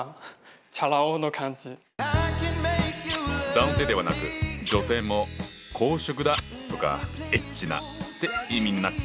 男性ではなく女性も「好色だ」とか「エッチな」って意味になっちゃったんだ。